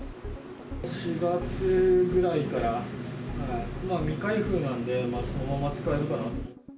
４月ぐらいから未開封なんで、そのまま使えるかなと。